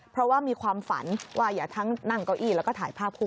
เพราะว่ามีความฝันว่าอย่าทั้งนั่งเก้าอี้แล้วก็ถ่ายภาพคู่